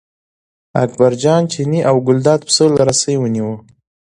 اکبرجان چینی او ګلداد پسه له رسۍ ونیوه.